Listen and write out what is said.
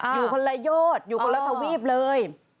อยู่คนละยอดอยู่คนละทวีปเลย